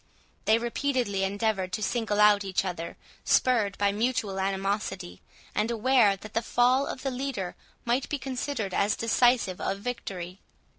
They repeatedly endeavoured to single out each other, spurred by mutual animosity, and aware that the fall of either leader might be considered as decisive of victory.